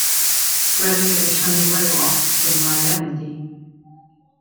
Gwelir y siani flewog rhwng Mai a Medi.